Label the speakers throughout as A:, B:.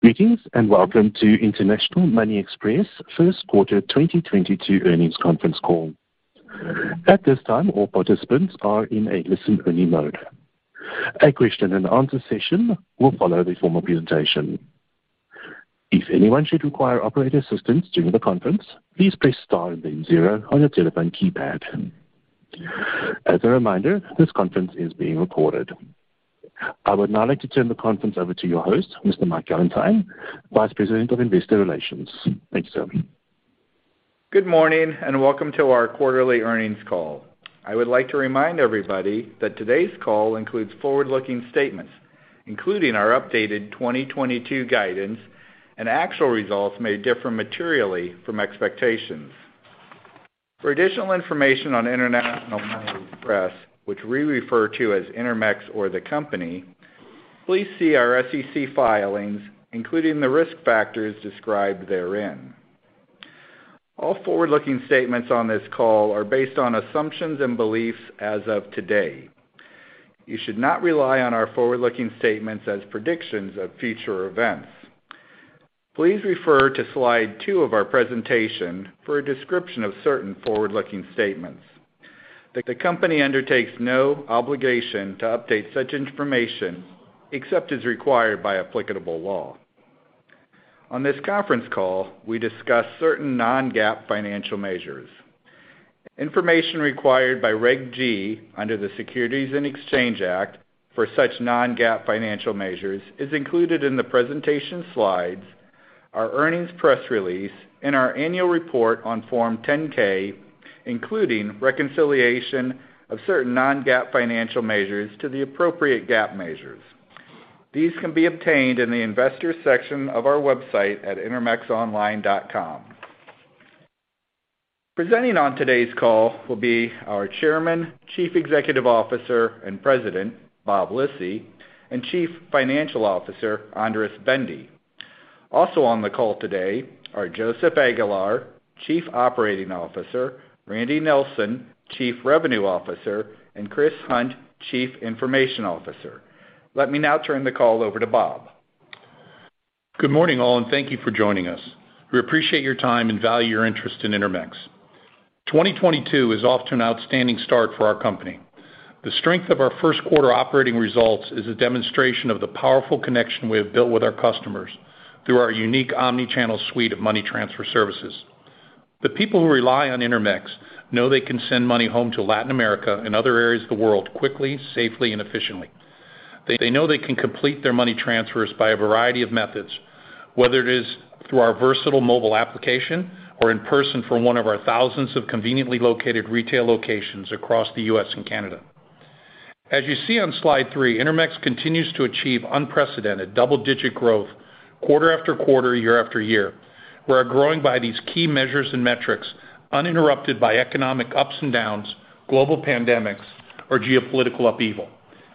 A: Greetings, and welcome to International Money Express first quarter 2022 earnings conference call. At this time, all participants are in a listen-only mode. A question and answer session will follow the formal presentation. If anyone should require operator assistance during the conference, please press star then zero on your telephone keypad. As a reminder, this conference is being recorded. I would now like to turn the conference over to your host, Mr. Mike Gallentine, Vice President of Investor Relations. Thank you, sir.
B: Good morning, and welcome to our quarterly earnings call. I would like to remind everybody that today's call includes forward-looking statements, including our updated 2022 guidance, and actual results may differ materially from expectations. For additional information on International Money Express, which we refer to as Intermex or the company, please see our SEC filings, including the risk factors described therein. All forward-looking statements on this call are based on assumptions and beliefs as of today. You should not rely on our forward-looking statements as predictions of future events. Please refer to slide 2 of our presentation for a description of certain forward-looking statements. The company undertakes no obligation to update such information except as required by applicable law. On this conference call, we discuss certain non-GAAP financial measures. Information required by Reg G under the Securities Exchange Act for such non-GAAP financial measures is included in the presentation slides, our earnings press release, and our annual report on Form 10-K, including reconciliation of certain non-GAAP financial measures to the appropriate GAAP measures. These can be obtained in the investors section of our website at intermexonline.com. Presenting on today's call will be our Chairman, Chief Executive Officer, and President, Bob Lisy, and Chief Financial Officer, Andras Bende. Also on the call today are Joseph Aguilar, Chief Operating Officer, Randall Nilsen, Chief Revenue Officer, and Chris Hunt, Chief Information Officer. Let me now turn the call over to Bob.
C: Good morning, all, and thank you for joining us. We appreciate your time and value your interest in Intermex. 2022 is off to an outstanding start for our company. The strength of our first quarter operating results is a demonstration of the powerful connection we have built with our customers through our unique omni-channel suite of money transfer services. The people who rely on Intermex know they can send money home to Latin America and other areas of the world quickly, safely, and efficiently. They know they can complete their money transfers by a variety of methods, whether it is through our versatile mobile application or in person from one of our thousands of conveniently located retail locations across the U.S. and Canada. As you see on slide 3, Intermex continues to achieve unprecedented double-digit growth quarter after quarter, year after year. We are growing by these key measures and metrics uninterrupted by economic ups and downs, global pandemics, or geopolitical upheaval.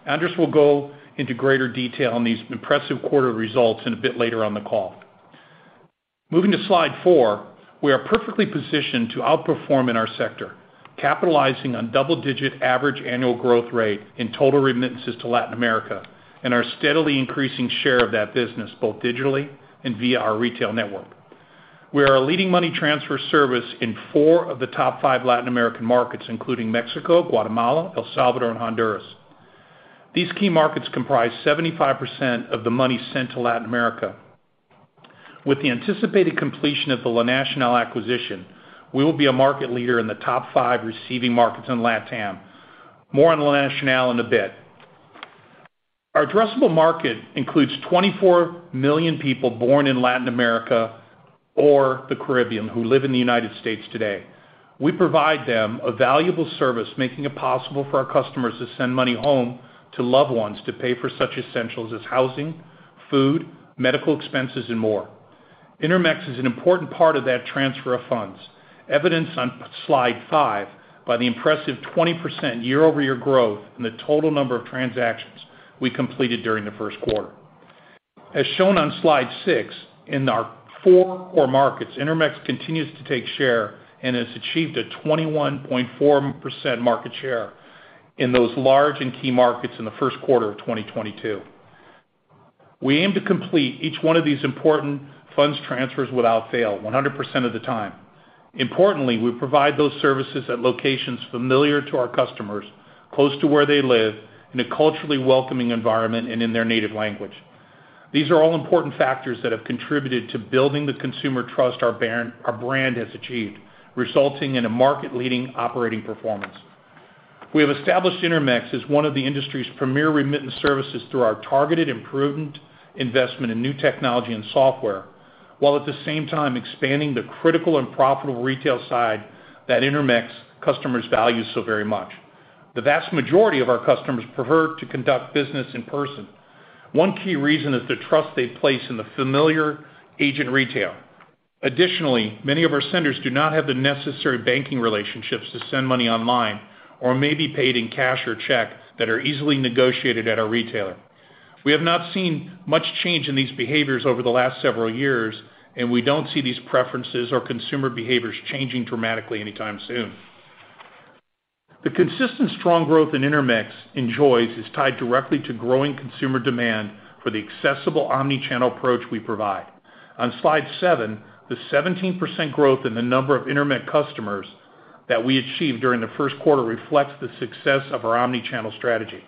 C: Andras will go into greater detail on these impressive quarter results in a bit later on the call. Moving to slide four, we are perfectly positioned to outperform in our sector, capitalizing on double-digit average annual growth rate in total remittances to Latin America and our steadily increasing share of that business, both digitally and via our retail network. We are a leading money transfer service in four of the top five Latin American markets, including Mexico, Guatemala, El Salvador, and Honduras. These key markets comprise 75% of the money sent to Latin America. With the anticipated completion of the La Nacional acquisition, we will be a market leader in the top five receiving markets in LatAm. More on La Nacional in a bit. Our addressable market includes 24 million people born in Latin America or the Caribbean who live in the United States today. We provide them a valuable service, making it possible for our customers to send money home to loved ones to pay for such essentials as housing, food, medical expenses, and more. Intermex is an important part of that transfer of funds, evidenced on slide five by the impressive 20% year-over-year growth in the total number of transactions we completed during the first quarter. As shown on slide six, in our four core markets, Intermex continues to take share and has achieved a 21.4% market share in those large and key markets in the first quarter of 2022. We aim to complete each one of these important funds transfers without fail 100% of the time. Importantly, we provide those services at locations familiar to our customers, close to where they live, in a culturally welcoming environment and in their native language. These are all important factors that have contributed to building the consumer trust our brand has achieved, resulting in a market-leading operating performance. We have established Intermex as one of the industry's premier remittance services through our targeted improvement investment in new technology and software, while at the same time expanding the critical and profitable retail side that Intermex customers value so very much. The vast majority of our customers prefer to conduct business in person. One key reason is the trust they place in the familiar agent retailer. Additionally, many of our senders do not have the necessary banking relationships to send money online or may be paid in cash or check that are easily negotiated at our retailer. We have not seen much change in these behaviors over the last several years, and we don't see these preferences or consumer behaviors changing dramatically anytime soon. The consistent strong growth that Intermex enjoys is tied directly to growing consumer demand for the accessible omni-channel approach we provide. On slide seven, the 17% growth in the number of Intermex customers that we achieved during the first quarter reflects the success of our omni-channel strategy.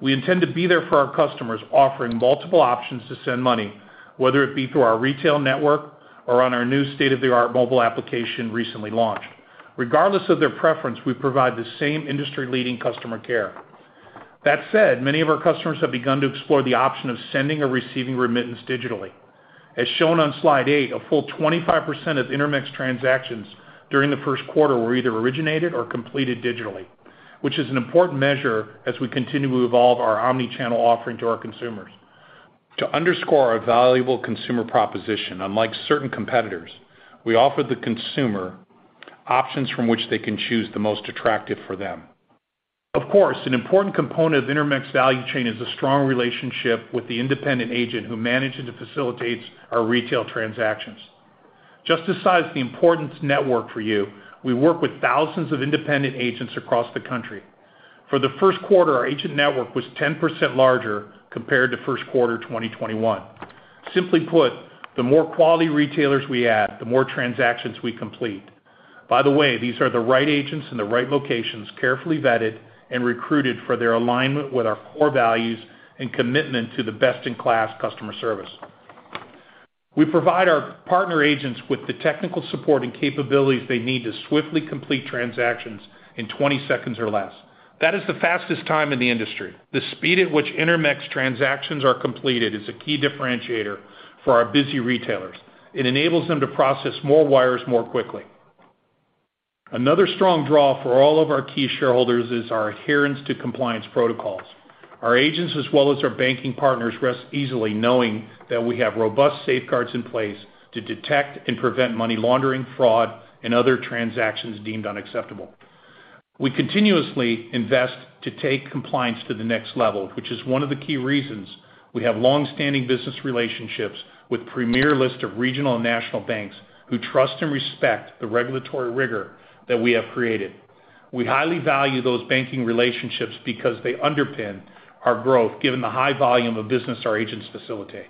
C: We intend to be there for our customers, offering multiple options to send money, whether it be through our retail network or on our new state-of-the-art mobile application recently launched. Regardless of their preference, we provide the same industry-leading customer care. That said, many of our customers have begun to explore the option of sending or receiving remittance digitally. As shown on slide eight, a full 25% of Intermex transactions during the first quarter were either originated or completed digitally, which is an important measure as we continue to evolve our omni-channel offering to our consumers. To underscore our valuable consumer proposition, unlike certain competitors, we offer the consumer options from which they can choose the most attractive for them. Of course, an important component of Intermex value chain is a strong relationship with the independent agent who manages and facilitates our retail transactions. Just as I said, the importance of our network to you, we work with thousands of independent agents across the country. For the first quarter, our agent network was 10% larger compared to first quarter 2021. Simply put, the more quality retailers we add, the more transactions we complete. By the way, these are the right agents in the right locations, carefully vetted and recruited for their alignment with our core values and commitment to the best-in-class customer service. We provide our partner agents with the technical support and capabilities they need to swiftly complete transactions in 20 seconds or less. That is the fastest time in the industry. The speed at which Intermex transactions are completed is a key differentiator for our busy retailers. It enables them to process more wires more quickly. Another strong draw for all of our key shareholders is our adherence to compliance protocols. Our agents, as well as our banking partners, rest easily knowing that we have robust safeguards in place to detect and prevent money laundering, fraud, and other transactions deemed unacceptable. We continuously invest to take compliance to the next level, which is one of the key reasons we have long-standing business relationships with premier list of regional and national banks who trust and respect the regulatory rigor that we have created. We highly value those banking relationships because they underpin our growth given the high volume of business our agents facilitate.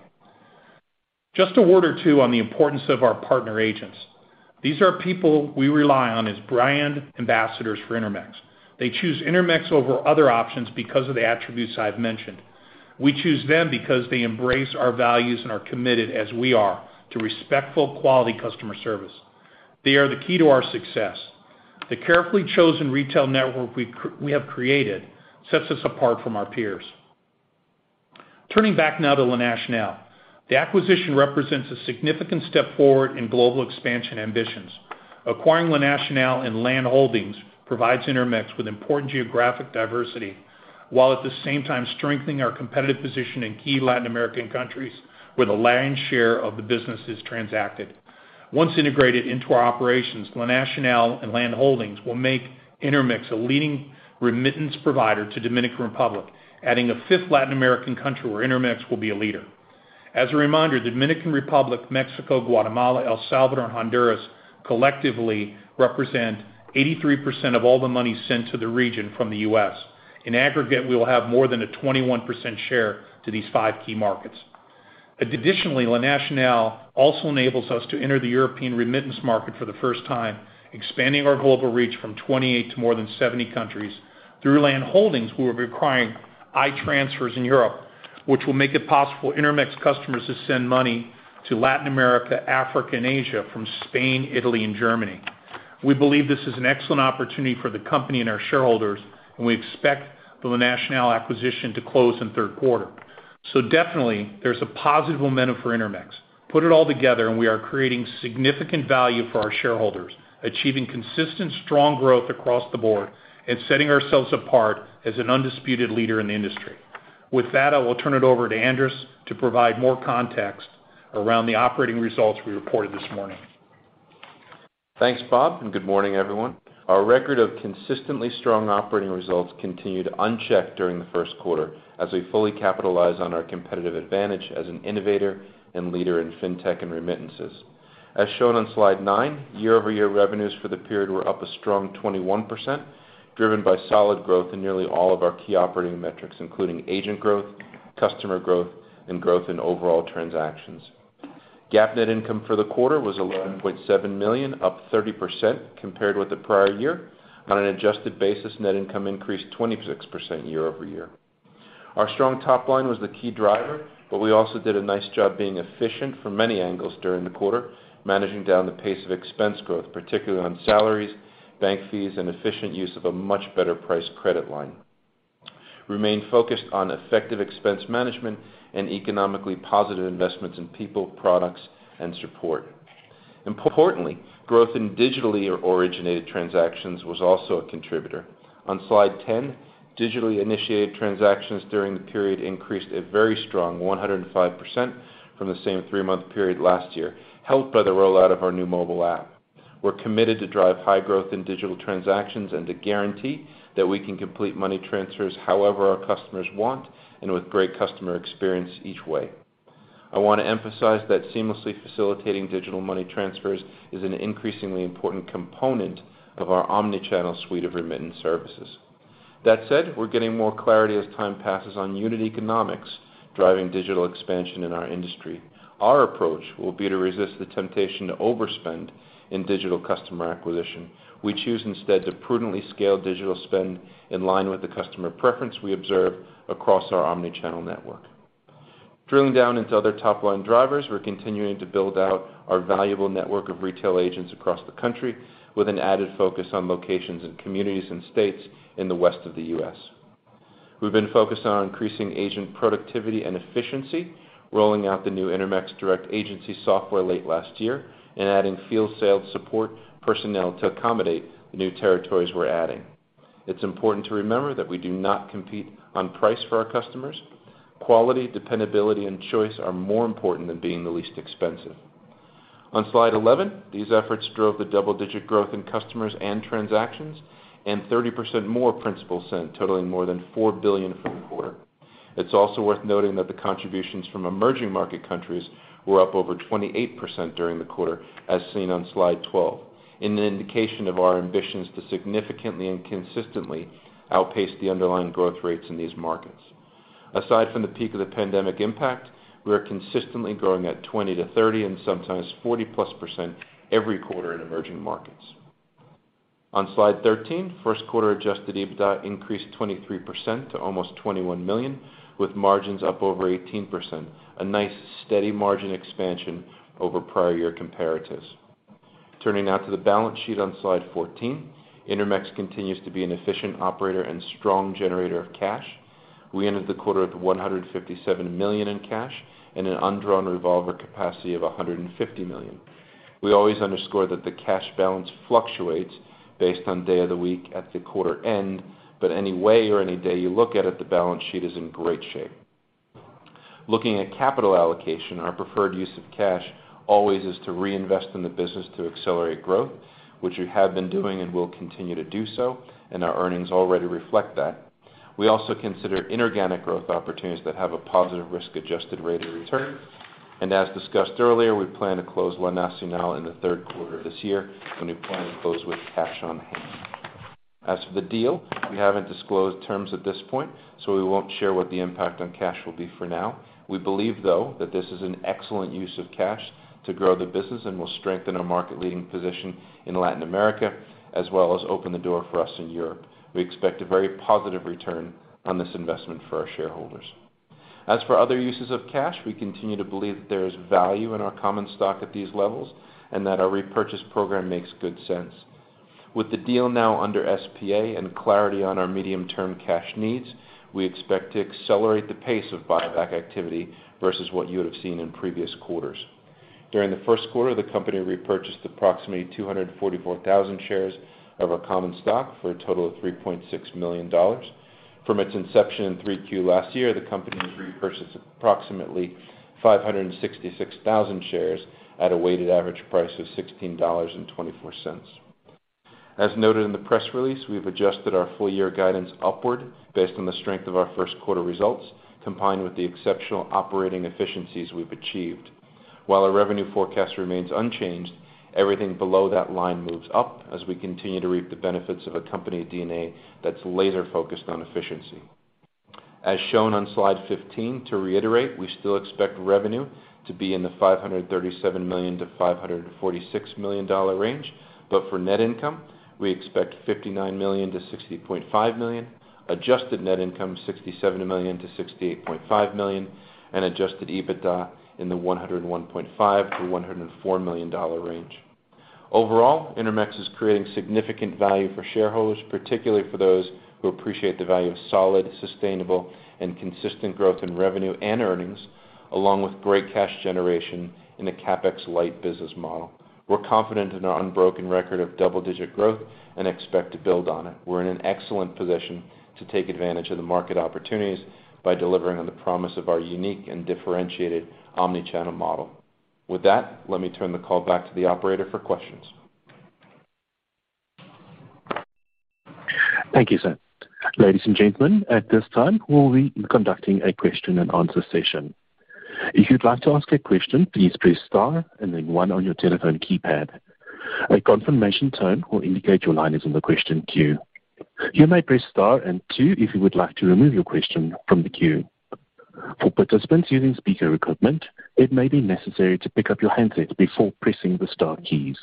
C: Just a word or two on the importance of our partner agents. These are people we rely on as brand ambassadors for Intermex. They choose Intermex over other options because of the attributes I've mentioned. We choose them because they embrace our values and are committed, as we are, to respectful quality customer service. They are the key to our success. The carefully chosen retail network we have created sets us apart from our peers. Turning back now to La Nacional. The acquisition represents a significant step forward in global expansion ambitions. Acquiring La Nacional and LAN Holdings provides Intermex with important geographic diversity, while at the same time strengthening our competitive position in key Latin American countries where the lion's share of the business is transacted. Once integrated into our operations, La Nacional and LAN Holdings will make Intermex a leading remittance provider to Dominican Republic, adding a fifth Latin American country where Intermex will be a leader. As a reminder, Dominican Republic, Mexico, Guatemala, El Salvador, and Honduras collectively represent 83% of all the money sent to the region from the U.S. In aggregate, we will have more than a 21% share to these five key markets. Additionally, La Nacional also enables us to enter the European remittance market for the first time, expanding our global reach from 28 to more than 70 countries. Through LAN Holdings, we'll be acquiring I-Transfer in Europe, which will make it possible for Intermex customers to send money to Latin America, Africa, and Asia from Spain, Italy, and Germany. We believe this is an excellent opportunity for the company and our shareholders, and we expect the La Nacional acquisition to close in Q3. Definitely, there's a positive momentum for Intermex. Put it all together, and we are creating significant value for our shareholders, achieving consistent strong growth across the board, and setting ourselves apart as an undisputed leader in the industry. With that, I will turn it over to Andras to provide more context around the operating results we reported this morning.
D: Thanks, Bob, and good morning, everyone. Our record of consistently strong operating results continued unchecked during the first quarter as we fully capitalize on our competitive advantage as an innovator and leader in fintech and remittances. As shown on slide 9, year-over-year revenues for the period were up a strong 21%, driven by solid growth in nearly all of our key operating metrics, including agent growth, customer growth, and growth in overall transactions. GAAP net income for the quarter was $11.7 million, up 30% compared with the prior year. On an adjusted basis, net income increased 26% year-over-year. Our strong top line was the key driver, but we also did a nice job being efficient from many angles during the quarter, managing down the pace of expense growth, particularly on salaries, bank fees, and efficient use of a much better priced credit line. Remain focused on effective expense management and economically positive investments in people, products, and support. Importantly, growth in digitally originated transactions was also a contributor. On slide 10, digitally initiated transactions during the period increased a very strong 105% from the same three-month period last year, helped by the rollout of our new mobile app. We're committed to drive high growth in digital transactions and to guarantee that we can complete money transfers however our customers want and with great customer experience each way. I want to emphasize that seamlessly facilitating digital money transfers is an increasingly important component of our omni-channel suite of remittance services. That said, we're getting more clarity as time passes on unit economics driving digital expansion in our industry. Our approach will be to resist the temptation to overspend in digital customer acquisition. We choose instead to prudently scale digital spend in line with the customer preference we observe across our omni-channel network. Drilling down into other top-line drivers, we're continuing to build out our valuable network of retail agents across the country with an added focus on locations and communities and states in the west of the U.S. We've been focused on increasing agent productivity and efficiency, rolling out the new Intermex Direct agency software late last year and adding field sales support personnel to accommodate the new territories we're adding. It's important to remember that we do not compete on price for our customers. Quality, dependability, and choice are more important than being the least expensive. On slide 11, these efforts drove the double-digit growth in customers and transactions and 30% more principal sent totaling more than $4 billion for the quarter. It's also worth noting that the contributions from emerging market countries were up over 28% during the quarter, as seen on slide 12, in an indication of our ambitions to significantly and consistently outpace the underlying growth rates in these markets. Aside from the peak of the pandemic impact, we are consistently growing at 20%-30% and sometimes 40+% every quarter in emerging markets. On slide 13, first quarter adjusted EBITDA increased 23% to almost $21 million, with margins up over 18%. A nice steady margin expansion over prior year comparatives. Turning now to the balance sheet on slide 14, Intermex continues to be an efficient operator and strong generator of cash. We ended the quarter with $157 million in cash and an undrawn revolver capacity of $150 million. We always underscore that the cash balance fluctuates based on day of the week at the quarter end, but any way or any day you look at it, the balance sheet is in great shape. Looking at capital allocation, our preferred use of cash always is to reinvest in the business to accelerate growth, which we have been doing and will continue to do so, and our earnings already reflect that. We also consider inorganic growth opportunities that have a positive risk-adjusted rate of return. As discussed earlier, we plan to close La Nacional in the Q3 of this year, and we plan to close with cash on hand. As for the deal, we haven't disclosed terms at this point, so we won't share what the impact on cash will be for now. We believe, though, that this is an excellent use of cash to grow the business and will strengthen our market-leading position in Latin America, as well as open the door for us in Europe. We expect a very positive return on this investment for our shareholders. As for other uses of cash, we continue to believe that there is value in our common stock at these levels and that our repurchase program makes good sense. With the deal now under SPA and clarity on our medium-term cash needs, we expect to accelerate the pace of buyback activity versus what you would have seen in previous quarters. During the first quarter, the company repurchased approximately 244,000 shares of our common stock for a total of $3.6 million. From its inception in Q3 last year, the company repurchased approximately 566,000 shares at a weighted average price of $16.24. As noted in the press release, we've adjusted our full year guidance upward based on the strength of our first quarter results, combined with the exceptional operating efficiencies we've achieved. While our revenue forecast remains unchanged, everything below that line moves up as we continue to reap the benefits of a company DNA that's laser-focused on efficiency. As shown on slide 15, to reiterate, we still expect revenue to be in the $537-$546 million range. For net income, we expect $59-$60.5 million. Adjusted net income $67-$68.5 million. Adjusted EBITDA in the $101.5-$104 million range. Overall, Intermex is creating significant value for shareholders, particularly for those who appreciate the value of solid, sustainable, and consistent growth in revenue and earnings, along with great cash generation in a CapEx-light business model. We're confident in our unbroken record of double-digit growth and expect to build on it. We're in an excellent position to take advantage of the market opportunities by delivering on the promise of our unique and differentiated omni-channel model. With that, let me turn the call back to the operator for questions.
A: Thank you, sir. Ladies and gentlemen, at this time, we'll be conducting a question and answer session. If you'd like to ask a question, please press star and then one on your telephone keypad. A confirmation tone will indicate your line is in the question queue. You may press star and two if you would like to remove your question from the queue. For participants using speaker equipment, it may be necessary to pick up your handset before pressing the star keys.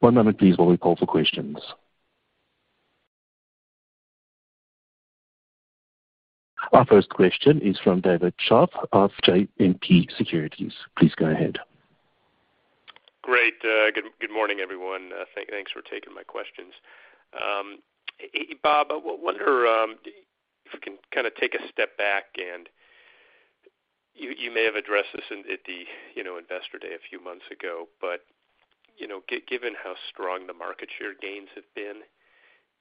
A: One moment please while we call for questions. Our first question is from David Scharf of JMP Securities. Please go ahead.
E: Great. Good morning, everyone. Thanks for taking my questions. Bob, I wonder if we can kinda take a step back, and you may have addressed this at the, you know, investor day a few months ago, but, you know, given how strong the market share gains have been,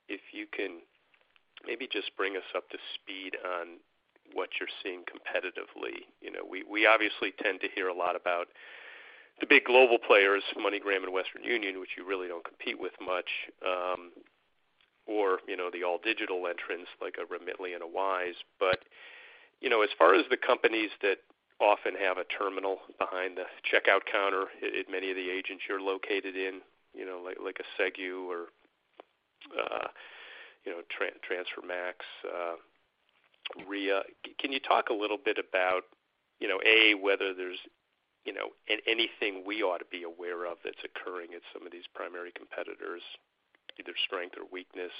E: if you can maybe just bring us up to speed on what you're seeing competitively. You know, we obviously tend to hear a lot about the big global players, MoneyGram and Western Union, which you really don't compete with much. You know, the all digital entrants like a Remitly and a Wise. You know, as far as the companies that often have a terminal behind the checkout counter at many of the agents you're located in, you know, like a Sigue or, you know, TransferMate, Ria. Can you talk a little bit about, you know, a, whether there's, you know, anything we ought to be aware of that's occurring at some of these primary competitors, either strength or weakness.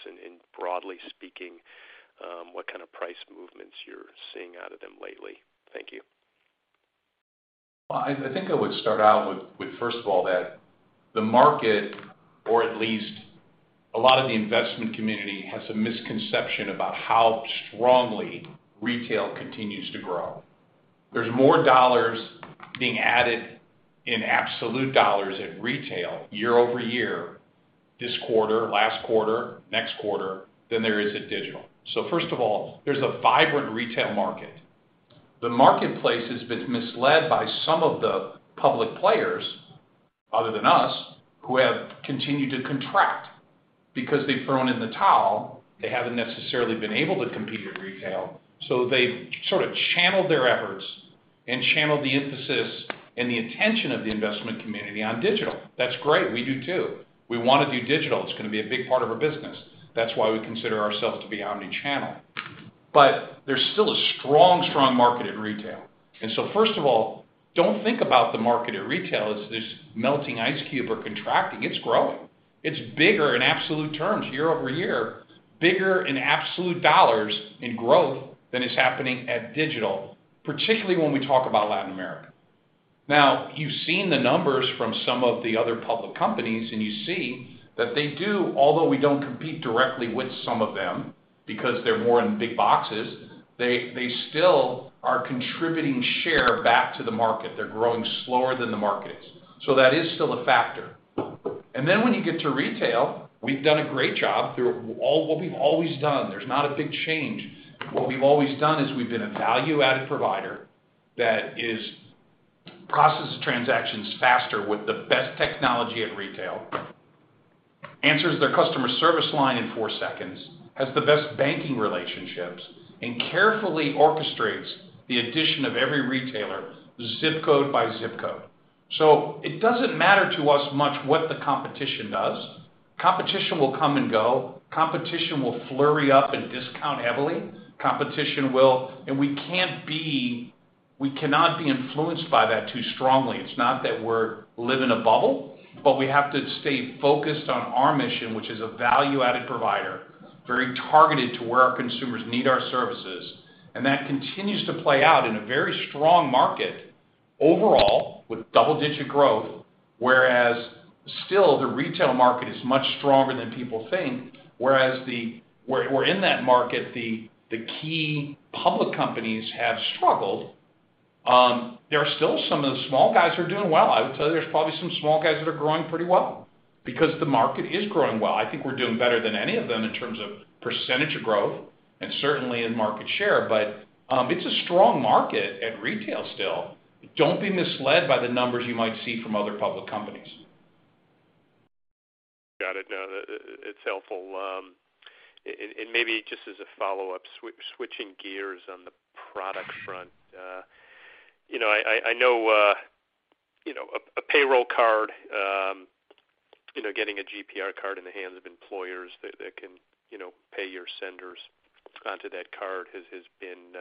E: Broadly speaking, what kind of price movements you're seeing out of them lately? Thank you.
C: Well, I think I would start out with first of all, that the market, or at least a lot of the investment community, has a misconception about how strongly retail continues to grow. There's more dollars being added in absolute dollars in retail year-over-year, this quarter, last quarter, next quarter than there is at digital. First of all, there's a vibrant retail market. The marketplace has been misled by some of the public players other than us who have continued to contract because they've thrown in the towel. They haven't necessarily been able to compete at retail, so they've sort of channeled their efforts and channeled the emphasis and the intention of the investment community on digital. That's great. We do too. We wanna do digital. It's gonna be a big part of our business. That's why we consider ourselves to be omni-channel. There's still a strong market in retail. First of all, don't think about the market at retail as this melting ice cube or contracting. It's growing. It's bigger in absolute terms year-over-year, bigger in absolute dollars in growth than is happening at digital, particularly when we talk about Latin America. Now, you've seen the numbers from some of the other public companies, and you see that they do, although we don't compete directly with some of them because they're more in big boxes, they still are contributing share back to the market. They're growing slower than the market is. That is still a factor. Then when you get to retail, we've done a great job through all what we've always done. There's not a big change. What we've always done is we've been a value-added provider that is, processes transactions faster with the best technology at retail, answers their customer service line in four seconds, has the best banking relationships, and carefully orchestrates the addition of every retailer, ZIP code by ZIP code. It doesn't matter to us much what the competition does. Competition will come and go. Competition will flurry up and discount heavily. We cannot be influenced by that too strongly. It's not that we're living in a bubble, but we have to stay focused on our mission, which is a value-added provider, very targeted to where our consumers need our services. That continues to play out in a very strong market overall with double-digit growth. Still the retail market is much stronger than people think. Where in that market, the key public companies have struggled, there are still some of the small guys who are doing well. I would tell you there's probably some small guys that are growing pretty well because the market is growing well. I think we're doing better than any of them in terms of percentage of growth and certainly in market share. It's a strong market at retail still. Don't be misled by the numbers you might see from other public companies.
E: Got it. No, it's helpful. Maybe just as a follow-up, switching gears on the product front. You know, I know, you know, a payroll card, you know, getting a GPR card in the hands of employers that can, you know, pay your senders onto that card has been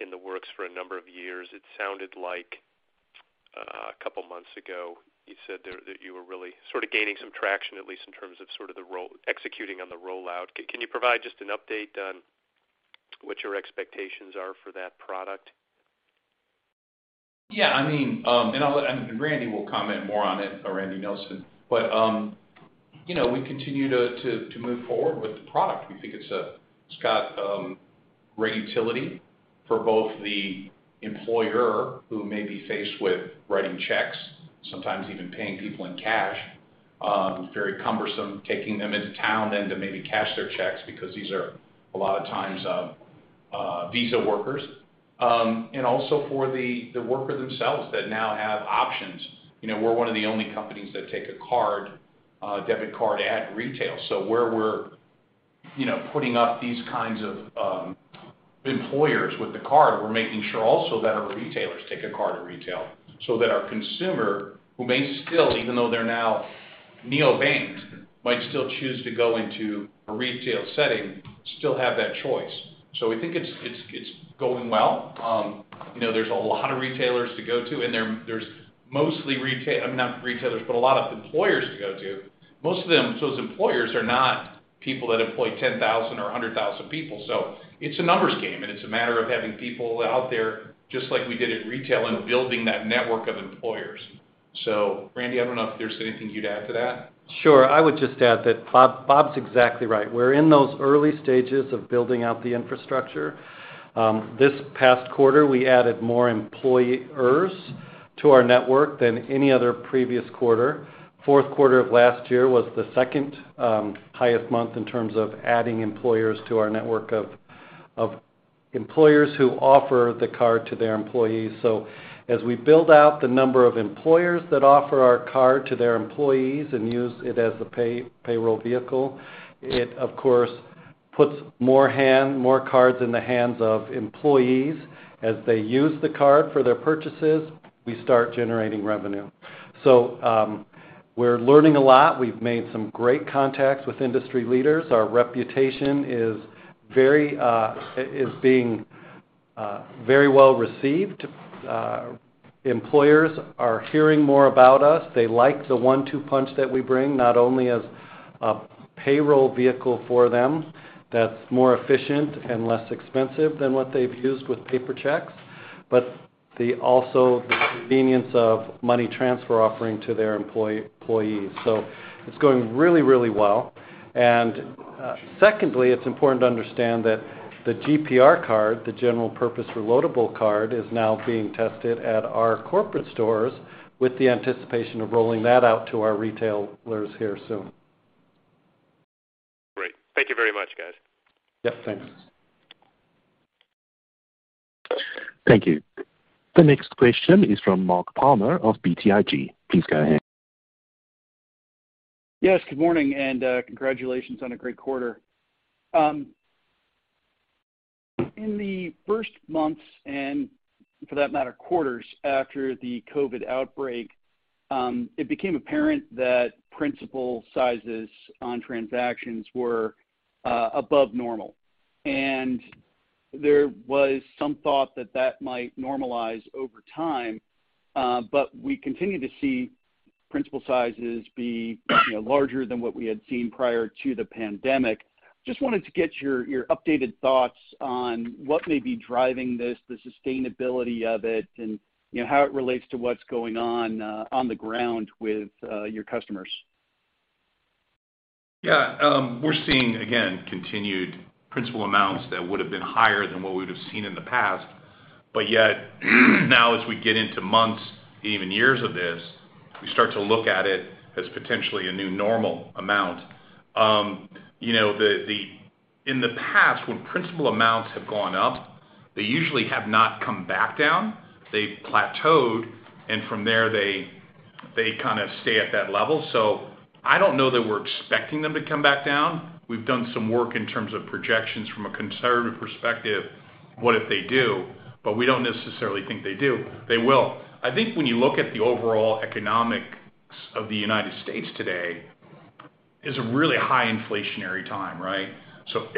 E: in the works for a number of years. It sounded like a couple of months ago, you said there that you were really sort of gaining some traction, at least in terms of sort of executing on the rollout. Can you provide just an update on what your expectations are for that product?
C: Yeah, I mean, I'll let Randy comment more on it, or Randy Nilsen. You know, we continue to move forward with the product. We think it's got great utility for both the employer who may be faced with writing checks, sometimes even paying people in cash. Very cumbersome taking them into town then to maybe cash their checks because these are a lot of times visa workers, and also for the worker themselves that now have options. You know, we're one of the only companies that take a card, debit card at retail. Where we're, you know, putting up these kinds of employers with the card, we're making sure also that our retailers take a card at retail so that our consumer, who may still, even though they're now neobank, might still choose to go into a retail setting, still have that choice. We think it's going well. You know, there's a lot of retailers to go to, and there's mostly retail, I mean, not retailers, but a lot of employers to go to. Most of them, those employers are not people that employ 10,000 or 100,000 people. It's a numbers game, and it's a matter of having people out there, just like we did at retail, and building that network of employers. Randy, I don't know if there's anything you'd add to that.
F: Sure. I would just add that Bob's exactly right. We're in those early stages of building out the infrastructure. This past quarter, we added more employers to our network than any other previous Q4 of last year was the second highest month in terms of adding employers to our network.
C: Employers who offer the card to their employees. As we build out the number of employers that offer our card to their employees and use it as a payroll vehicle, it of course puts more cards in the hands of employees. As they use the card for their purchases, we start generating revenue. We're learning a lot. We've made some great contacts with industry leaders. Our reputation is being very well-received. Employers are hearing more about us. They like the one-two punch that we bring, not only as a payroll vehicle for them that's more efficient and less expensive than what they've used with paper checks, but also the convenience of money transfer offering to their employees. It's going really, really well. Secondly, it's important to understand that the GPR card, the general purpose reloadable card, is now being tested at our corporate stores with the anticipation of rolling that out to our retailers here soon.
E: Great. Thank you very much, guys.
C: Yeah, thanks.
A: Thank you. The next question is from Mark Palmer of BTIG. Please go ahead.
G: Yes, good morning, and congratulations on a great quarter. In the first months, and for that matter, quarters after the COVID outbreak, it became apparent that principal sizes on transactions were above normal, and there was some thought that that might normalize over time, but we continue to see principal sizes be, you know, larger than what we had seen prior to the pandemic. Just wanted to get your updated thoughts on what may be driving this, the sustainability of it, and, you know, how it relates to what's going on on the ground with your customers.
C: Yeah, we're seeing, again, continued principal amounts that would have been higher than what we would have seen in the past. Yet, now as we get into months, even years of this, we start to look at it as potentially a new normal amount. You know, in the past, when principal amounts have gone up, they usually have not come back down. They've plateaued, and from there, they kind of stay at that level. I don't know that we're expecting them to come back down. We've done some work in terms of projections from a conservative perspective, what if they do, but we don't necessarily think they do. They will. I think when you look at the overall economics of the United States today, it's a really high inflationary time, right?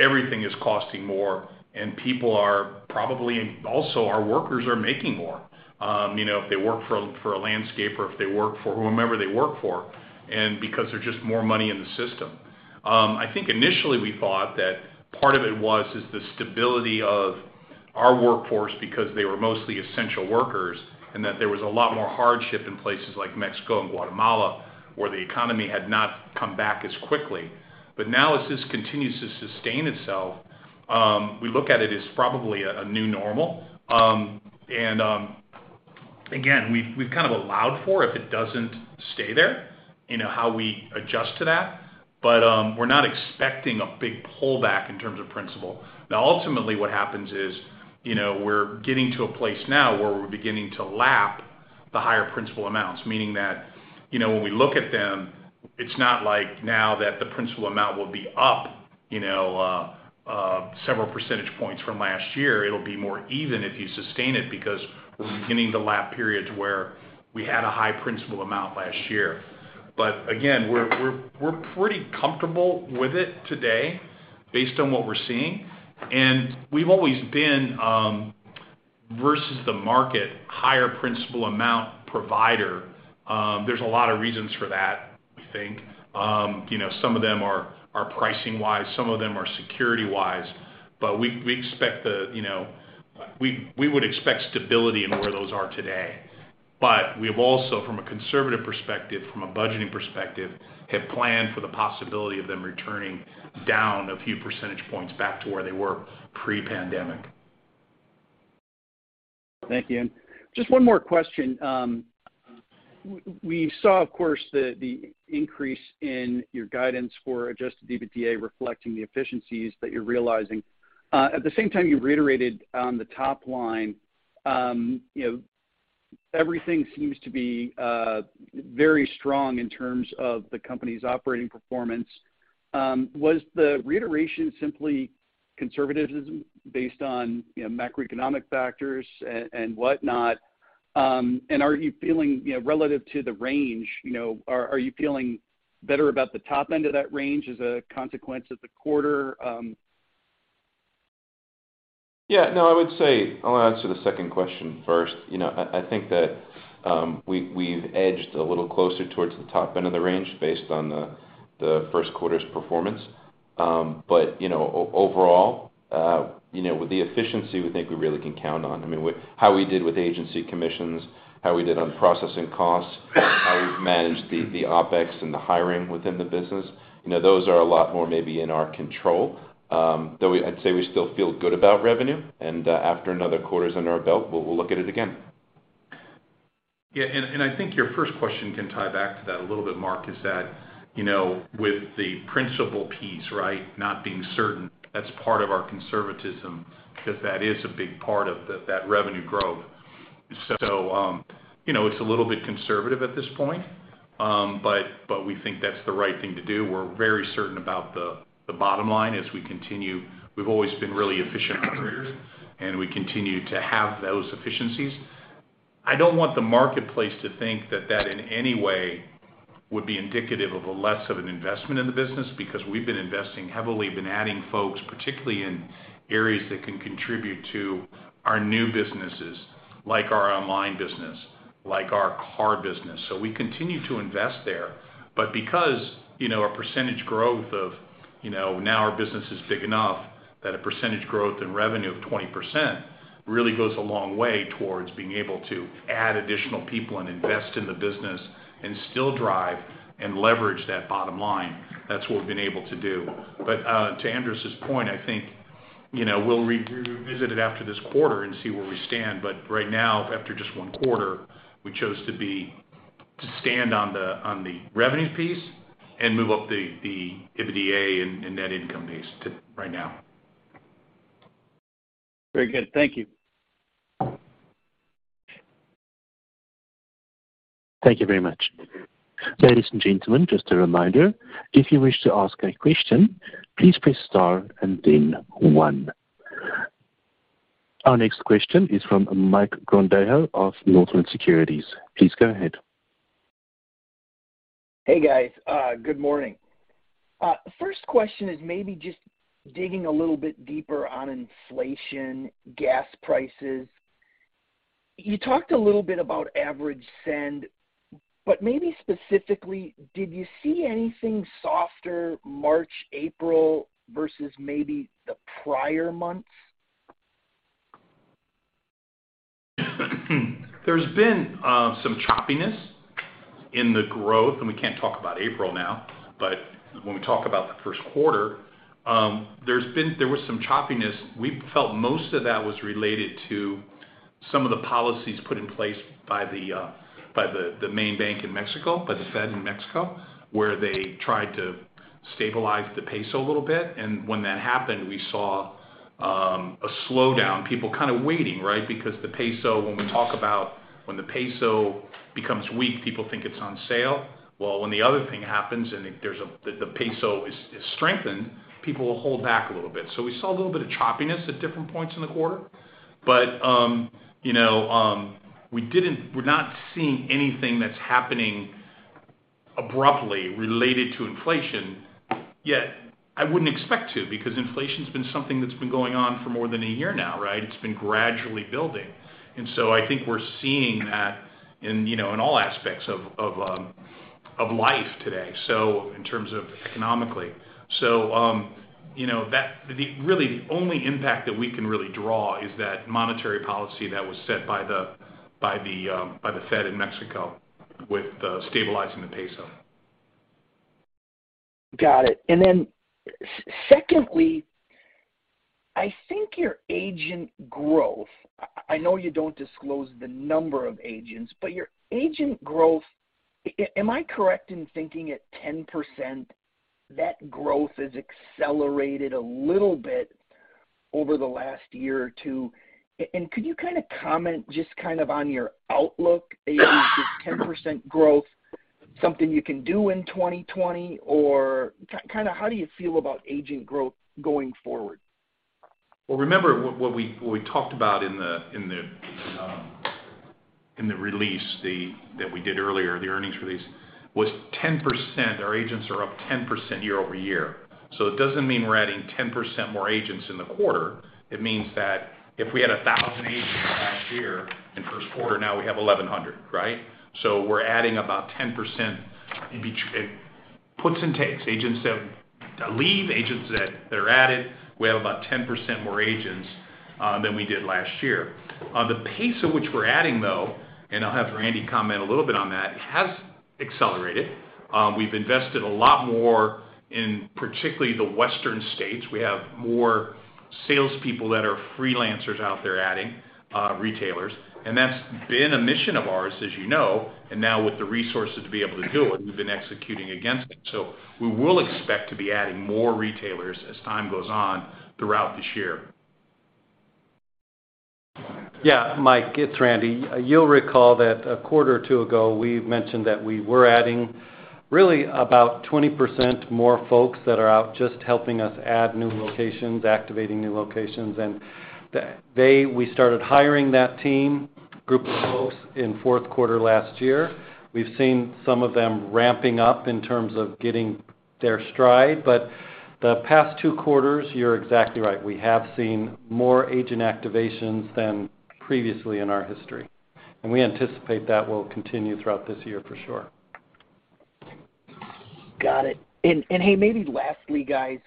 C: Everything is costing more, and people are probably also our workers are making more, you know, if they work for a landscaper, if they work for whomever they work for, and because there's just more money in the system. I think initially we thought that part of it is the stability of our workforce because they were mostly essential workers, and that there was a lot more hardship in places like Mexico and Guatemala, where the economy had not come back as quickly. Now as this continues to sustain itself, we look at it as probably a new normal. Again, we've kind of allowed for if it doesn't stay there, you know, how we adjust to that. We're not expecting a big pullback in terms of principal. Now, ultimately, what happens is, you know, we're getting to a place now where we're beginning to lap the higher principal amounts, meaning that, you know, when we look at them, it's not like now that the principal amount will be up, you know, several percentage points from last year. It'll be more even if you sustain it because we're beginning to lap periods where we had a high principal amount last year. We're pretty comfortable with it today based on what we're seeing. We've always been, versus the market, higher principal amount provider. There's a lot of reasons for that, we think. You know, some of them are pricing-wise, some of them are security-wise, but we would expect stability in where those are today. We have also, from a conservative perspective, from a budgeting perspective, have planned for the possibility of them returning down a few percentage points back to where they were pre-pandemic.
G: Thank you. Just one more question. We saw, of course, the increase in your guidance for adjusted EBITDA reflecting the efficiencies that you're realizing. At the same time, you've reiterated on the top line, you know, everything seems to be very strong in terms of the company's operating performance. Was the reiteration simply conservatism based on, you know, macroeconomic factors and whatnot? Are you feeling, you know, relative to the range, you know, are you feeling better about the top end of that range as a consequence of the quarter?
C: Yeah, no, I would say. I'll answer the second question first. You know, I think that we've edged a little closer towards the top end of the range based on the first quarter's performance. But you know, overall, with the efficiency we think we really can count on. I mean, how we did with agency commissions, how we did on processing costs, how we've managed the OpEx and the hiring within the business, you know, those are a lot more maybe in our control, though I'd say we still feel good about revenue, and after another quarter's under our belt, we'll look at it again. Yeah. I think your first question can tie back to that a little bit, Mark, is that you know, with the principal piece, right? Not being certain, that's part of our conservatism, because that is a big part of that revenue growth. You know, it's a little bit conservative at this point. But we think that's the right thing to do. We're very certain about the bottom line as we continue. We've always been really efficient operators, and we continue to have those efficiencies. I don't want the marketplace to think that in any way would be indicative of a less of an investment in the business, because we've been investing heavily. Been adding folks, particularly in areas that can contribute to our new businesses, like our online business, like our card business. We continue to invest there. Because, you know, our percentage growth of, you know, now our business is big enough that a percentage growth in revenue of 20% really goes a long way towards being able to add additional people and invest in the business and still drive and leverage that bottom line. That's what we've been able to do. To Andras' point, I think, you know, we'll revisit it after this quarter and see where we stand. Right now, after just one quarter, we chose to stand on the revenue piece and move up the EBITDA and net income piece to right now.
G: Very good. Thank you.
A: Thank you very much. Ladies and gentlemen, just a reminder, if you wish to ask a question, please press star and then one. Our next question is from Mike Grondahl of Northland Securities. Please go ahead.
H: Hey, guys. Good morning. First question is maybe just digging a little bit deeper on inflation, gas prices. You talked a little bit about average send, but maybe specifically, did you see anything softer March, April versus maybe the prior months?
C: There's been some choppiness in the growth, and we can't talk about April now. When we talk about the first quarter, there was some choppiness. We felt most of that was related to some of the policies put in place by the central bank in Mexico, where they tried to stabilize the peso a little bit. When that happened, we saw a slowdown, people kind of waiting, right? Because the peso, when we talk about when the peso becomes weak, people think it's on sale. Well, when the other thing happens, and if the peso is strengthened, people will hold back a little bit. We saw a little bit of choppiness at different points in the quarter, but you know, we're not seeing anything that's happening abruptly related to inflation. Yet, I wouldn't expect to, because inflation's been something that's been going on for more than a year now, right? It's been gradually building. I think we're seeing that in you know, in all aspects of life today, so in terms of economically. You know, the only impact that we can really draw is that monetary policy that was set by the Banco de México with stabilizing the peso.
H: Got it. Secondly, I think your agent growth. I know you don't disclose the number of agents, but your agent growth, am I correct in thinking at 10% that growth has accelerated a little bit over the last year or two? And could you kind of comment just kind of on your outlook, maybe is this 10% growth something you can do in 2020? Or kind of how do you feel about agent growth going forward?
C: Well, remember what we talked about in the release that we did earlier, the earnings release, was 10%. Our agents are up 10% year-over-year. It doesn't mean we're adding 10% more agents in the quarter. It means that if we had 1,000 agents last year in first quarter, now we have 1,100, right? We're adding about 10%. It puts and takes. Agents that leave, agents that are added. We have about 10% more agents than we did last year. The pace at which we're adding, though, and I'll have Randy comment a little bit on that, has accelerated. We've invested a lot more in particularly the Western states. We have more salespeople that are freelancers out there adding retailers. That's been a mission of ours, as you know. Now with the resources to be able to do it, we've been executing against it. We will expect to be adding more retailers as time goes on throughout this year.
F: Yeah, Mike, it's Randy. You'll recall that a quarter or two ago, we mentioned that we were adding really about 20% more folks that are out just helping us add new locations, activating new locations. We started hiring that team, group of folks in Q4 last year. We've seen some of them ramping up in terms of getting their stride. The past two quarters, you're exactly right. We have seen more agent activations than previously in our history. We anticipate that will continue throughout this year for sure.
H: Got it. Hey, maybe lastly, guys.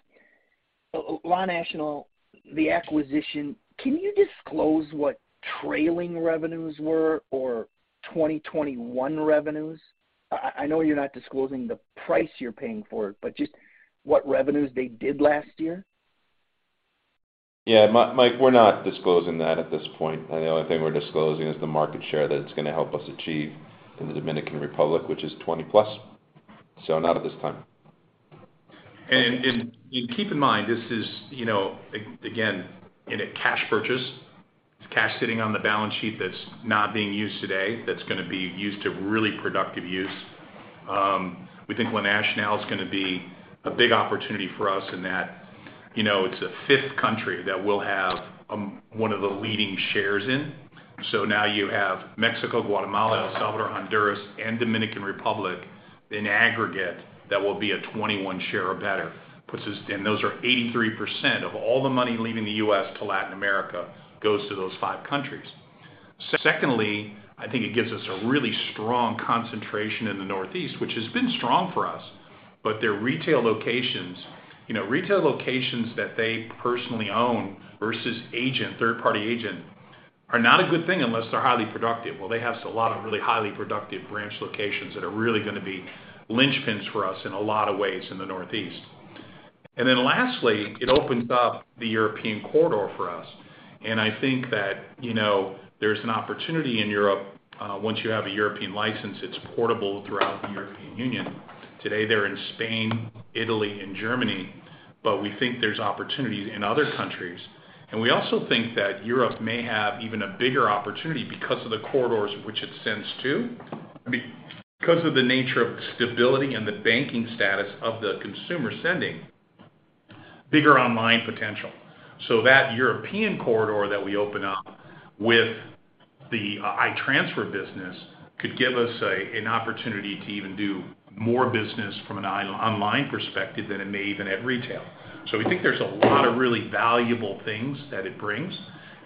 H: La Nacional, the acquisition, can you disclose what trailing revenues were or 2021 revenues? I know you're not disclosing the price you're paying for it, but just what revenues they did last year?
D: Yeah, Mike, we're not disclosing that at this point. The only thing we're disclosing is the market share that it's gonna help us achieve in the Dominican Republic, which is 20%+. Not at this time.
C: You keep in mind, this is, you know, again, in a cash purchase, it's cash sitting on the balance sheet that's not being used today, that's gonna be used to really productive use. We think La Nacional is gonna be a big opportunity for us in that, you know, it's a fifth country that we'll have one of the leading shares in. Now you have Mexico, Guatemala, El Salvador, Honduras, and Dominican Republic in aggregate that will be a 21% share or better. Puts us. Those are 83% of all the money leaving the U.S. to Latin America goes to those five countries. Secondly, I think it gives us a really strong concentration in the Northeast, which has been strong for us, but their retail locations, you know, retail locations that they personally own versus agent, third-party agent, are not a good thing unless they're highly productive. Well, they have a lot of really highly productive branch locations that are really gonna be linchpins for us in a lot of ways in the Northeast. Then lastly, it opens up the European corridor for us. I think that, you know, there's an opportunity in Europe, once you have a European license, it's portable throughout the European Union. Today, they're in Spain, Italy, and Germany, but we think there's opportunity in other countries. We also think that Europe may have even a bigger opportunity because of the corridors which it sends to, because of the nature of the stability and the banking status of the consumer sending, bigger online potential. That European corridor that we open up with the I-Transfer business could give us an opportunity to even do more business from an online perspective than it may even at retail. We think there's a lot of really valuable things that it brings.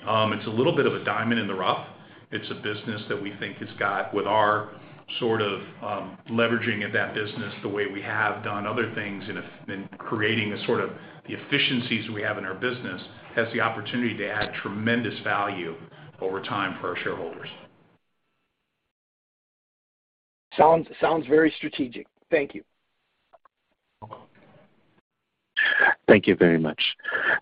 C: It's a little bit of a diamond in the rough. It's a business that we think has got with our sort of leveraging of that business the way we have done other things and creating the sort of the efficiencies we have in our business, has the opportunity to add tremendous value over time for our shareholders.
H: Sounds very strategic. Thank you.
A: Thank you very much.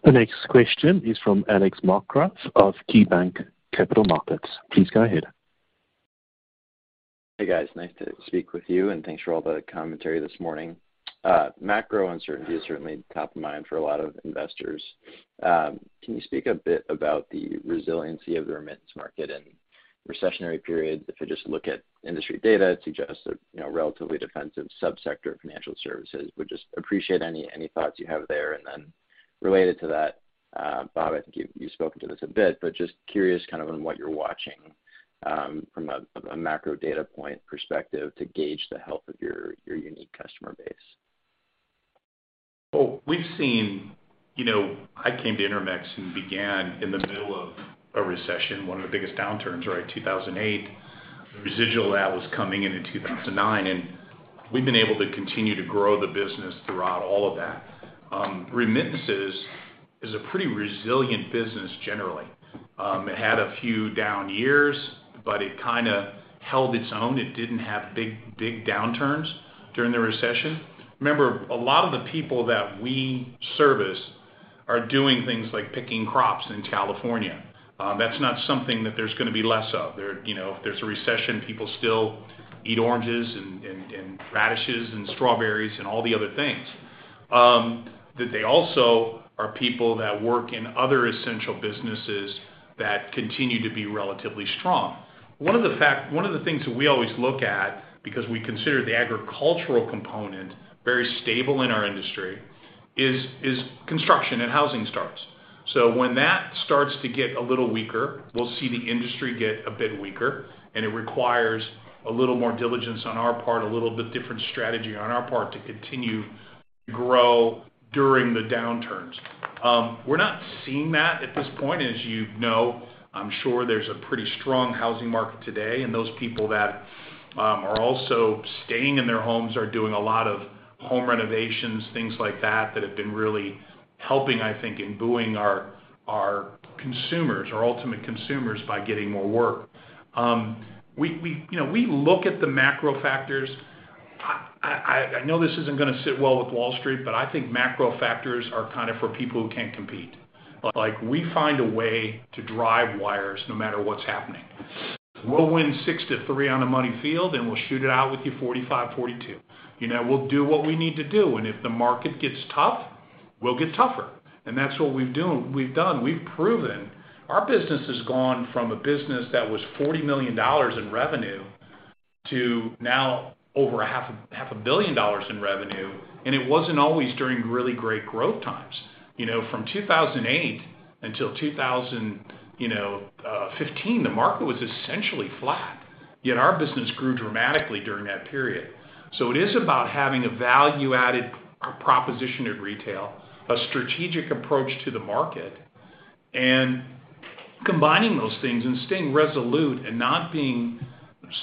A: The next question is from Alex Markgraff of KeyBanc Capital Markets. Please go ahead.
I: Hey, guys, nice to speak with you, and thanks for all the commentary this morning. Macro uncertainty is certainly top of mind for a lot of investors. Can you speak a bit about the resiliency of the remittance market in recessionary periods? If you just look at industry data, it suggests you know, relatively defensive sub-sector financial services. Would just appreciate any thoughts you have there. Related to that, Bob, I think you've spoken to this a bit, but just curious kind of on what you're watching from a macro data point perspective to gauge the health of your unique customer base.
C: Well, we've seen. You know, I came to Intermex and began in the middle of a recession, one of the biggest downturns, right? 2008. Residual of that was coming in 2009, and we've been able to continue to grow the business throughout all of that. Remittances is a pretty resilient business generally. It had a few down years, but it kinda held its own. It didn't have big downturns during the recession. Remember, a lot of the people that we service are doing things like picking crops in California. That's not something that there's gonna be less of. There, you know, if there's a recession, people still eat oranges and radishes and strawberries and all the other things. That they also are people that work in other essential businesses that continue to be relatively strong. One of the things that we always look at, because we consider the agricultural component very stable in our industry, is construction and housing starts. When that starts to get a little weaker, we'll see the industry get a bit weaker, and it requires a little more diligence on our part, a little bit different strategy on our part to continue grow during the downturns. We're not seeing that at this point. As you know, I'm sure there's a pretty strong housing market today, and those people that are also staying in their homes are doing a lot of home renovations, things like that that have been really helping, I think, in boosting our consumers, our ultimate consumers by getting more work. You know, we look at the macro factors. I know this isn't gonna sit well with Wall Street, but I think macro factors are kinda for people who can't compete. Like, we find a way to drive wires no matter what's happening. We'll win six to three on a money field, and we'll shoot it out with you 45, 42. You know, we'll do what we need to do, and if the market gets tough, we'll get tougher. That's what we've been doing, we've done. We've proven. Our business has gone from a business that was $40 million in revenue to now over half a billion dollars in revenue, and it wasn't always during really great growth times. You know, from 2008 until 2015, the market was essentially flat, yet our business grew dramatically during that period. It is about having a value-added proposition at retail, a strategic approach to the market, and combining those things and staying resolute and not being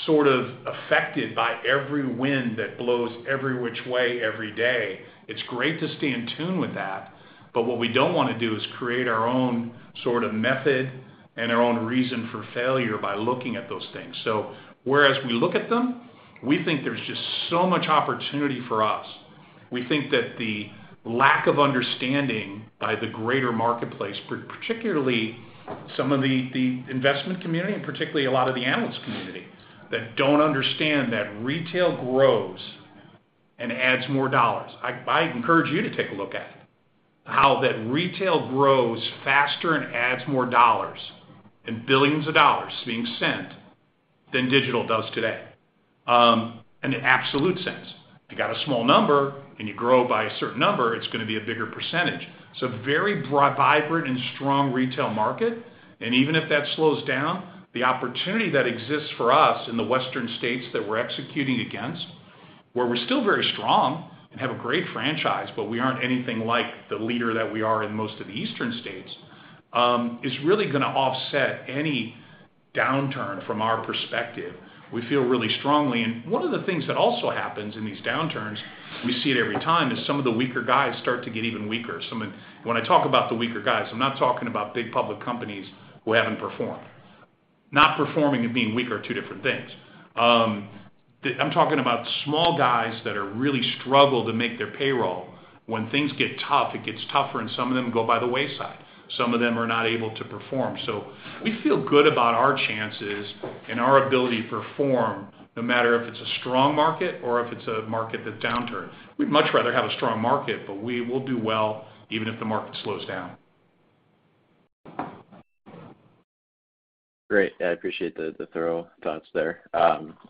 C: sort of affected by every wind that blows every which way, every day. It's great to stay in tune with that, but what we don't wanna do is create our own sort of method and their own reason for failure by looking at those things. Whereas we look at them, we think there's just so much opportunity for us. We think that the lack of understanding by the greater marketplace, particularly some of the investment community, and particularly a lot of the analysts community that don't understand that retail grows and adds more dollars. I encourage you to take a look at how that retail grows faster and adds more dollars and billions of dollars being sent than digital does today, in the absolute sense. If you got a small number, and you grow by a certain number, it's gonna be a bigger percentage. It's a very vibrant and strong retail market. Even if that slows down, the opportunity that exists for us in the western states that we're executing against, where we're still very strong and have a great franchise, but we aren't anything like the leader that we are in most of the eastern states, is really gonna offset any downturn from our perspective. We feel really strongly. One of the things that also happens in these downturns, we see it every time, is some of the weaker guys start to get even weaker. When I talk about the weaker guys, I'm not talking about big public companies who haven't performed. Not performing and being weak are two different things. I'm talking about small guys that are really struggling to make their payroll. When things get tough, it gets tougher, and some of them go by the wayside. Some of them are not able to perform. We feel good about our chances and our ability to perform, no matter if it's a strong market or if it's a market that downturns. We'd much rather have a strong market, but we will do well even if the market slows down.
I: Great. I appreciate the thorough thoughts there.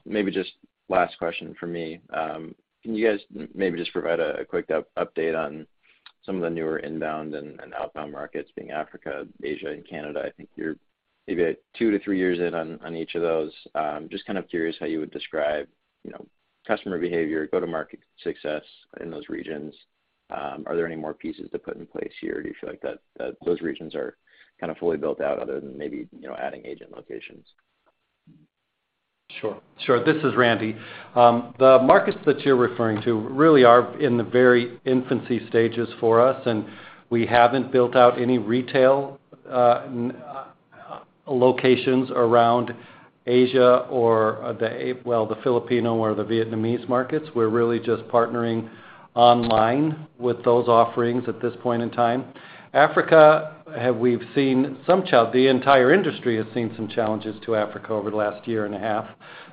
I: Maybe just last question from me. Can you guys maybe just provide a quick update on some of the newer inbound and outbound markets being Africa, Asia, and Canada? I think you're maybe two-three years in on each of those. Just kind of curious how you would describe, you know, customer behavior, go-to-market success in those regions. Are there any more pieces to put in place here? Do you feel like that those regions are kind of fully built out other than maybe, you know, adding agent locations?
F: Sure. This is Randy. The markets that you're referring to really are in the very infancy stages for us, and we haven't built out any retail locations around Asia or the Filipino or the Vietnamese markets. We're really just partnering online with those offerings at this point in time. The entire industry has seen some challenges to Africa over the last year and a half.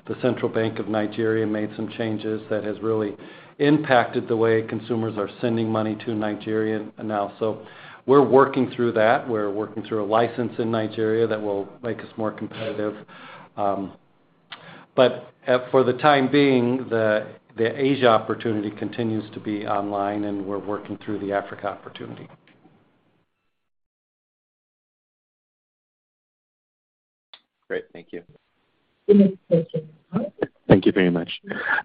F: The Central Bank of Nigeria made some changes that has really impacted the way consumers are sending money to Nigeria now. We're working through that. We're working through a license in Nigeria that will make us more competitive. For the time being, the Asia opportunity continues to be online, and we're working through the Africa opportunity.
I: Great. Thank you.
A: Thank you very much.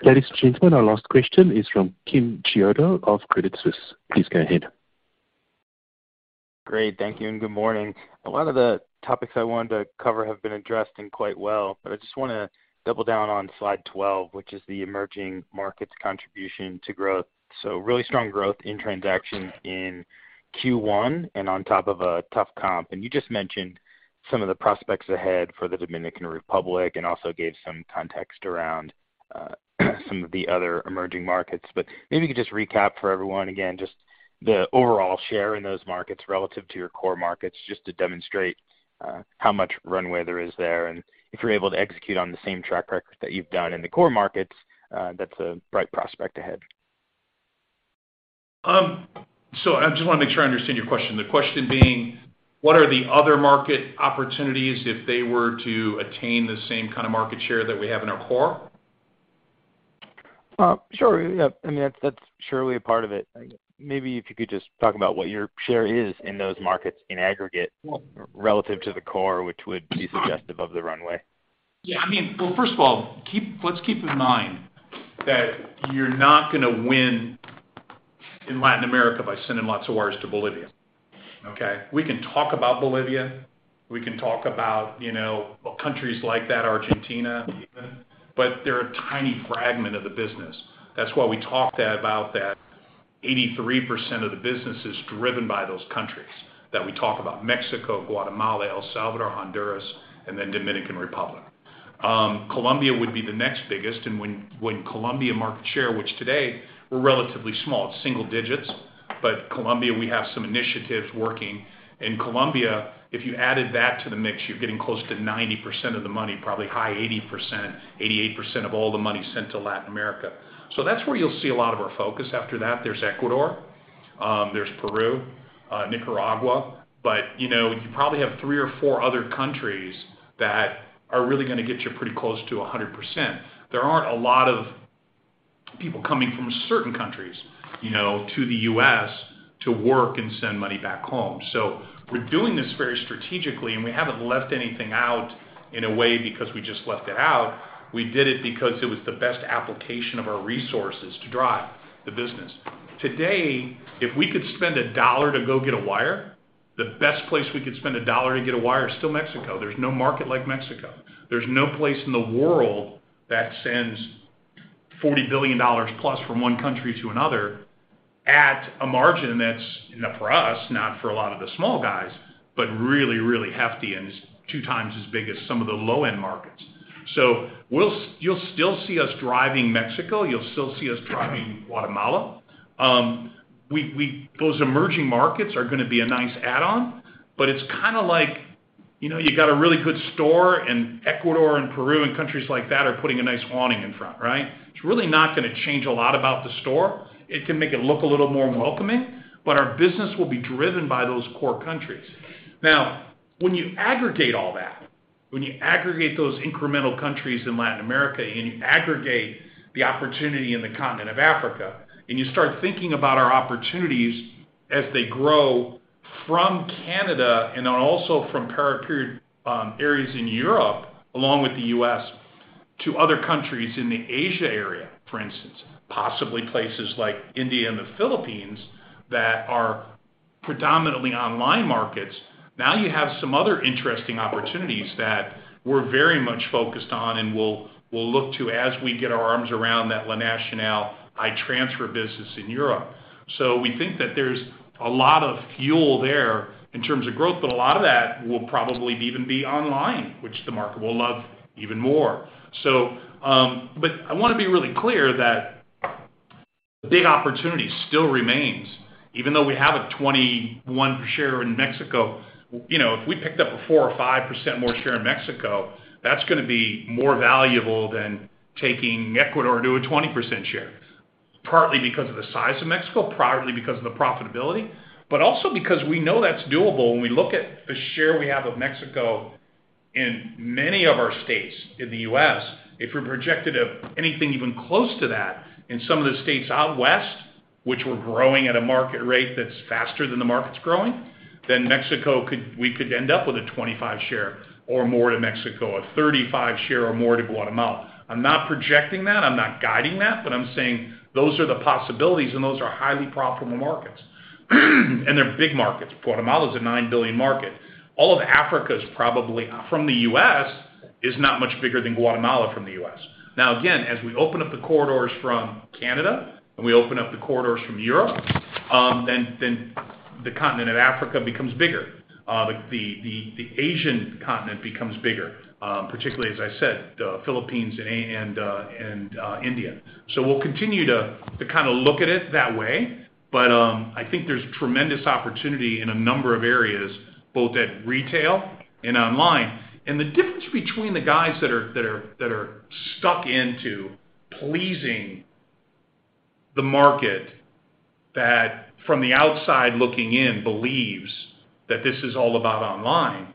A: Ladies and gentlemen, our last question is from Kimberly Fields of Credit Suisse. Please go ahead.
J: Great. Thank you, and good morning. A lot of the topics I wanted to cover have been addressed and quite well, but I just wanna double down on slide 12, which is the emerging markets contribution to growth. Really strong growth in transaction in Q1 and on top of a tough comp. You just mentioned some of the prospects ahead for the Dominican Republic and also gave some context around some of the other emerging markets. Maybe you could just recap for everyone again, just the overall share in those markets relative to your core markets, just to demonstrate how much runway there is there, and if you're able to execute on the same track record that you've done in the core markets, that's a bright prospect ahead.
C: I just wanna make sure I understand your question. The question being, what are the other market opportunities if they were to attain the same kinda market share that we have in our core?
J: Sure, yeah. I mean, that's surely a part of it. Maybe if you could just talk about what your share is in those markets in aggregate relative to the core, which would be suggestive of the runway.
C: Yeah, I mean, well, first of all, let's keep in mind that you're not gonna win in Latin America by sending lots of wires to Bolivia, okay? We can talk about Bolivia, we can talk about, you know, countries like that, Argentina even, but they're a tiny fragment of the business. That's why we talked about that 83% of the business is driven by those countries that we talk about, Mexico, Guatemala, El Salvador, Honduras, and then Dominican Republic. Colombia would be the next biggest, and when Colombia market share, which today we're relatively small, it's single digits. Colombia, we have some initiatives working. In Colombia, if you added that to the mix, you're getting close to 90% of the money, probably high 80%, 88% of all the money sent to Latin America. That's where you'll see a lot of our focus after that. There's Ecuador, there's Peru, Nicaragua, but, you know, you probably have three or four other countries that are really gonna get you pretty close to 100%. There aren't a lot of people coming from certain countries, you know, to the U.S. to work and send money back home. We're doing this very strategically, and we haven't left anything out in a way because we just left it out. We did it because it was the best application of our resources to drive the business. Today, if we could spend a dollar to go get a wire, the best place we could spend a dollar to get a wire is still Mexico. There's no market like Mexico. There's no place in the world that sends $40 billion plus from one country to another at a margin that's, you know, for us, not for a lot of the small guys, but really, really hefty and is two times as big as some of the low-end markets. You'll still see us driving Mexico, you'll still see us driving Guatemala. Those emerging markets are gonna be a nice add-on, but it's kinda like, you know, you got a really good store in Ecuador and Peru and countries like that are putting a nice awning in front, right? It's really not gonna change a lot about the store. It can make it look a little more welcoming, but our business will be driven by those core countries. When you aggregate all that, when you aggregate those incremental countries in Latin America and you aggregate the opportunity in the continent of Africa, and you start thinking about our opportunities as they grow from Canada and then also from peripheral areas in Europe, along with the U.S. To other countries in the Asia area, for instance, possibly places like India and the Philippines that are predominantly online markets, now you have some other interesting opportunities that we're very much focused on and we'll look to as we get our arms around that La Nacional I-Transfer business in Europe. We think that there's a lot of fuel there in terms of growth, but a lot of that will probably even be online, which the market will love even more. I wanna be really clear that the big opportunity still remains, even though we have a 21% share in Mexico, you know, if we picked up a 4% or 5% more share in Mexico, that's gonna be more valuable than taking Ecuador to a 20% share. Partly because of the size of Mexico, partly because of the profitability, but also because we know that's doable. When we look at the share we have of Mexico in many of our states in the US, if we project anything even close to that in some of the states out west, which we're growing at a market rate that's faster than the market's growing, then we could end up with a 25% share or more in Mexico, a 35% share or more in Guatemala. I'm not projecting that, I'm not guiding that, but I'm saying those are the possibilities, and those are highly profitable markets. They're big markets. Guatemala's a $9 billion market. All of Africa is probably, from the U.S., is not much bigger than Guatemala from the U.S. Now, again, as we open up the corridors from Canada, and we open up the corridors from Europe, then the continent of Africa becomes bigger. The Asian continent becomes bigger, particularly, as I said, the Philippines and India. We'll continue to kinda look at it that way, but I think there's tremendous opportunity in a number of areas, both at retail and online. The difference between the guys that are stuck into pleasing the market that from the outside looking in believes that this is all about online, that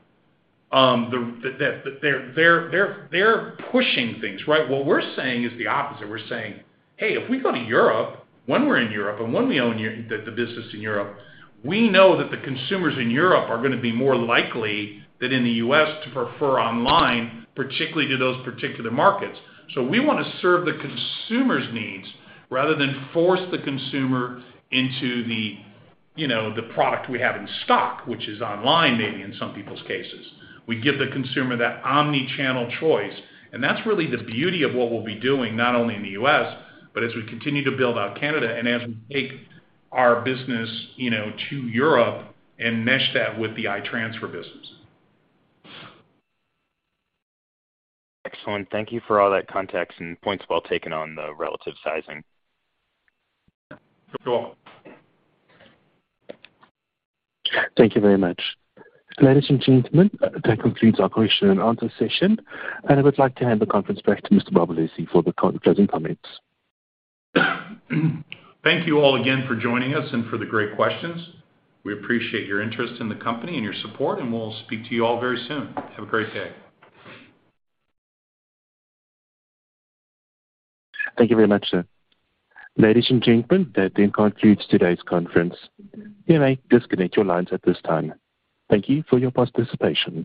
C: they're pushing things, right? What we're saying is the opposite. We're saying, "Hey, if we go to Europe, when we're in Europe and when we own the business in Europe, we know that the consumers in Europe are gonna be more likely than in the U.S. to prefer online, particularly to those particular markets." We wanna serve the consumer's needs rather than force the consumer into the, you know, the product we have in stock, which is online maybe in some people's cases. We give the consumer that omni-channel choice, and that's really the beauty of what we'll be doing not only in the U.S., but as we continue to build out Canada and as we take our business, you know, to Europe and mesh that with the I-Transfer business.
J: Excellent. Thank you for all that context, and points well taken on the relative sizing.
C: Sure.
A: Thank you very much. Ladies and gentlemen, that concludes our question and answer session, and I would like to hand the conference back to Mr. Bob Lisy for the closing comments.
C: Thank you all again for joining us and for the great questions. We appreciate your interest in the company and your support, and we'll speak to you all very soon. Have a great day.
A: Thank you very much, sir. Ladies and gentlemen, that then concludes today's conference. You may disconnect your lines at this time. Thank you for your participation